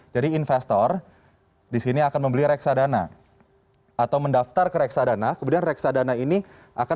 jadi investor di sini akan membeli reksadana atau mendaftar ke reksadana